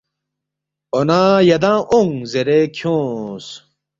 ”اون٘ا یدانگ اونگ” زیرے کھیونگس